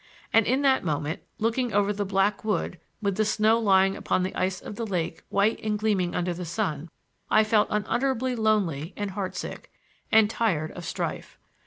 And in that moment, looking over the black wood, with the snow lying upon the ice of the lake white and gleaming under the sun, I felt unutterably lonely and heart sick, and tired of strife.